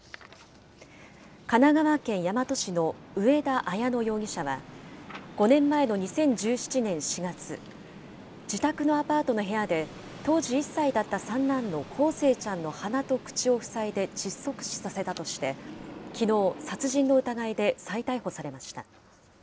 神奈川県大和市の上田綾乃容疑者は、５年前の２０１７年４月、自宅のアパートの部屋で、当時１歳だった三男の康生ちゃんの鼻と口を塞いで窒息死させたとして、きのう、殺人の疑いで再逮捕されました。